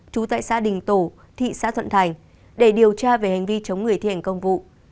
trú tại xã đình tổ thị xã thuận thành để điều tra về hành vi chống người thi hành công vụ